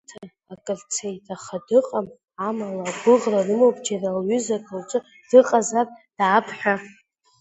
Аамҭа акыр цеит, аха дыҟам, амала, агәыӷра рымоуп, џьара лҩызак лҿы дыҟазар, даап ҳәа.